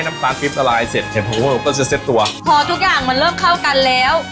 น้ำตาลทริปละลายเสร็จเห็นโฮเวอร์ก็จะเซ็ตตัวพอทุกอย่างมันเริ่มเข้ากันแล้ว